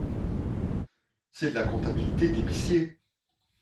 C’est de la comptabilité d’épicier